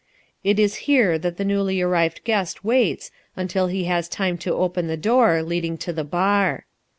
It is here that the newly arrived guest waits until he has time to open the door leading to the Bar.